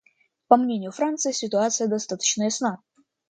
По мнению Франции, ситуация достаточно ясна.